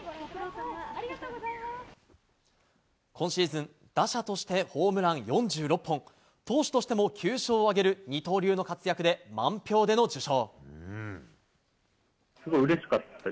今シーズン打者としてホームラン４６本投手としても９勝を挙げる二刀流の活躍で満票での受賞。